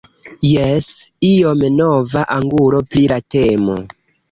Jes, iom nova angulo pri la temo.